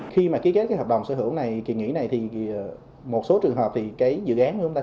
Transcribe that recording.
khi mà ký kết cái hợp đồng sở hữu này kỳ nghỉ này thì một số trường hợp thì cái dự án của chúng ta